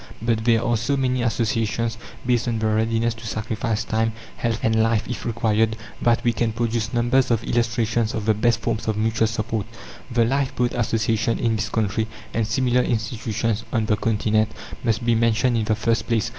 But there are so many associations based on the readiness to sacrifice time, health, and life if required, that we can produce numbers of illustrations of the best forms of mutual support. The Lifeboat Association in this country, and similar institutions on the Continent, must be mentioned in the first place.